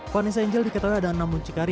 vanessa angel diketahui ada enam muncikari